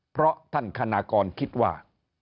เพราะท่านคณากรคิดว่า